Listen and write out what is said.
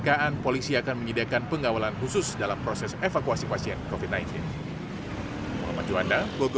kecelakaan polisi akan menyediakan pengawalan khusus dalam proses evakuasi pasien covid sembilan belas